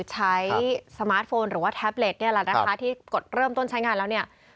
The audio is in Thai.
ใช้สมาร์ทโฟนหรือว่าแท็บเล็ตที่กดเริ่มต้นใช้งานแล้ว